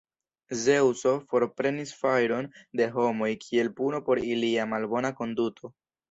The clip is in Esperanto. Zeŭso forprenis fajron de homoj kiel puno por ilia malbona konduto.